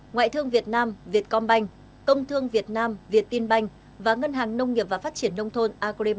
ngoại thương việt nam công thương việt nam và ngân hàng nông nghiệp và phát triển nông thôn